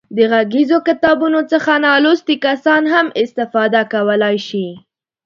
د غږیزو کتابونو څخه نالوستي کسان هم استفاده کولای شي.